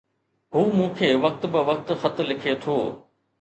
هو مون کي وقت بوقت خط لکي ٿو